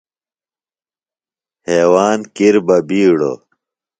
ہیواند کِر بہ بِیڈوۡ۔